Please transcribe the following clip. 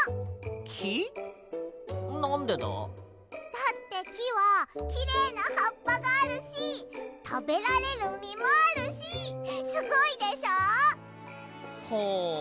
だってきはきれいなはっぱがあるしたべられるみもあるしすごいでしょ？はあ。